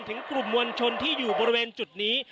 ถึงกลุ่มมวลชนที่อยู่บริเวณจุดนี้